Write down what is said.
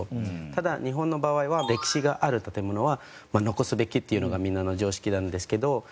ただ日本の場合は歴史がある建ものは残すべきっていうのがみんなの常識なんですけど。